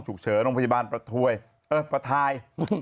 ฉุกเฉอโรงพยาบาลประถ่าย